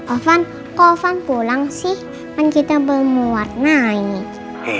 ovan kok ovan pulang sih kan kita belum mau warna ini